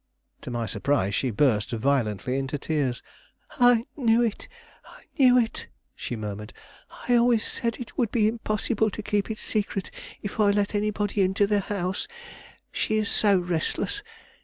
To my surprise she burst violently into tears. "I knew it, I knew it!" she murmured. "I always said it would be impossible to keep it secret if I let anybody into the house; she is so restless.